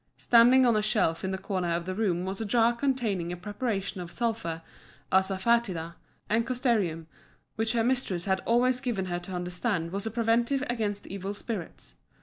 Standing on a shelf in the corner of the room was a jar containing a preparation of sulphur, asafœtida, and castoreum, which her mistress had always given her to understand was a preventive against evil spirits.